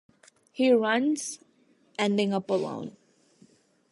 He runs, ending up alone.